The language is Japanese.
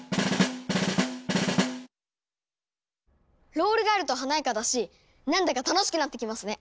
ロールがあると華やかだし何だか楽しくなってきますね。